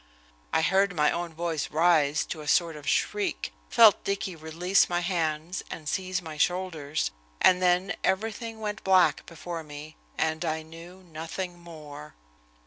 I heard my own voice rise to a sort of shriek, felt Dicky release my hands and seize my shoulders, and then everything went black before me, and I knew nothing more.